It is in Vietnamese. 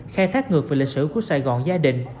khai thác ngược về lịch sử của sài gòn gia đình